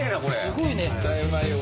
すごいね。